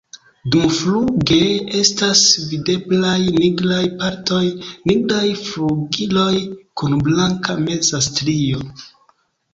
Dumfluge estas videblaj nigraj partoj, nigraj flugiloj kun blanka meza strio.